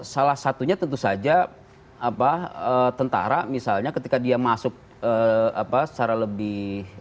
salah satunya tentu saja tentara misalnya ketika dia masuk secara lebih